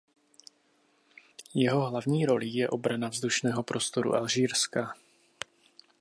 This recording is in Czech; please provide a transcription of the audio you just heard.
Jeho hlavní rolí je obrana vzdušného prostoru Alžírska.